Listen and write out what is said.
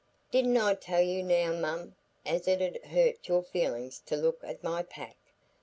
"Didn't I tell you now, mum, as it 'ud hurt your feelings to look at my pack?